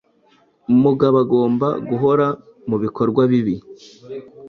mugabo agomba guhora mubikorwa bibi